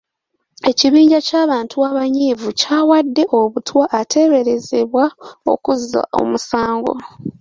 Ekibinja ky'abantu abanyiivu kyawadde obutwa ateeberezebwa okuzza omusango.